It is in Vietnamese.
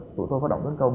tụi tôi phát động tấn công